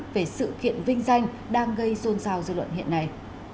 về sự kiện vinh danh đang gây rôn rào dư luận hiện nay